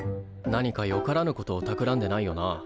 何かよからぬことをたくらんでないよな？